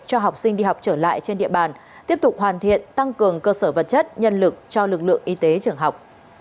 cho học sinh đi học trở lại trên địa bàn tiếp tục hoàn thiện tăng cường cơ sở vật chất nhân lực cho lực lượng y tế trường học